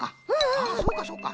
あそうかそうか。